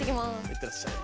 いってらっしゃい。